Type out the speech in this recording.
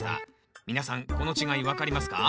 皆さんこの違い分かりますか？